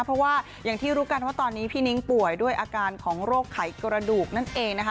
เพราะว่าอย่างที่รู้กันว่าตอนนี้พี่นิ้งป่วยด้วยอาการของโรคไขกระดูกนั่นเองนะคะ